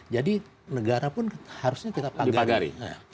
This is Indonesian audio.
jadi negara pun harusnya kita pagari